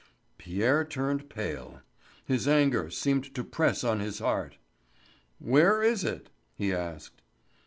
Pierre turned pale. His anger seemed to press on his heart. "Where is it?" he asked.